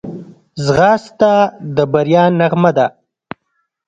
ځغاسته د بریا نغمه ده